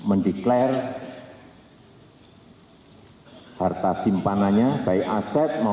ini adalah saatnya bapak ibu negara